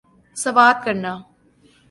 سوات کرنا